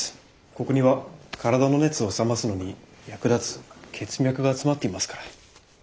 ここには体の熱を冷ますのに役立つ血脈が集まっていますから。